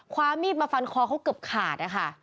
ความมีดมาฟันคอเขาเกือบขาดนะคะ